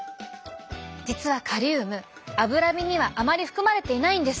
実はカリウム脂身にはあまり含まれていないんです。